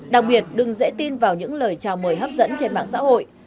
đặc biệt đừng dễ tin vào những lời chào mời hấp dẫn trên mạng xã hội